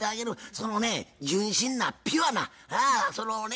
そのね純真なピュアなそのね